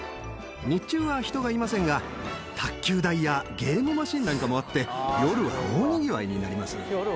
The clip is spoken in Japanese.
日中は人がいませんが、卓球台やゲームマシンなんかもあって、夜は大にぎわいになります。